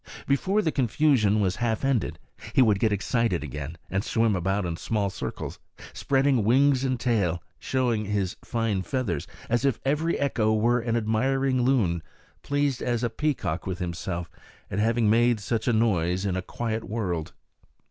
Before the confusion was half ended he would get excited again, and swim about in small circles, spreading wings and tail, showing his fine feathers as if every echo were an admiring loon, pleased as a peacock with himself at having made such a noise in a quiet world.